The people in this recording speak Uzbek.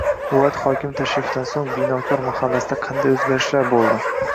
Viloyat hokimi tashrifidan so‘ng Binokor mahallasida qanday o‘zgarishlar bo‘ldi?